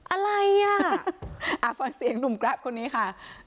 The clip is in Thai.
อะไรอ่ะฟังเสียงหนุ่มแกรปคนนี้ค่ะ